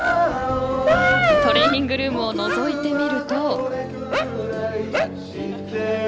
トレーニングルームをのぞいてみると。